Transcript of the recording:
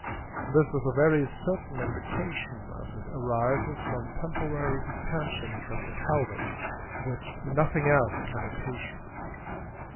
This is a very certain indication, as it arises from temporary distensions of the pelvis, which nothing else can occasion.